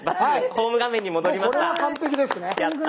ホーム画面に戻りました。